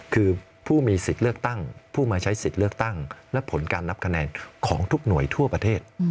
คือผู้มีสิทธิ์เลือกตั้งผู้มาใช้สิทธิ์เลือกตั้งและผลการนับคะแนนของทุกหน่วยทั่วประเทศ